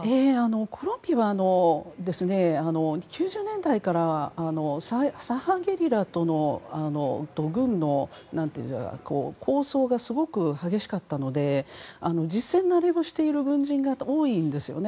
コロンビアは９０年代から左派ゲリラと軍の抗争がすごく激しかったので実戦慣れをしている軍人が多いんですよね。